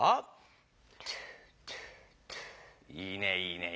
いいね。